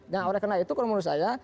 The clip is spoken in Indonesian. nah oleh karena itu kalau menurut saya